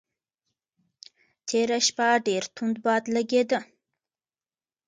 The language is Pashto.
تېره شپه ډېر توند باد لګېده.